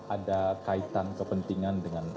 ada kaitan kepentingan dengan